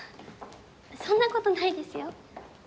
そんなことないですよ